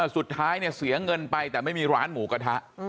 เสียเงินไปแต่ไม่มีร้านหมูกระทะ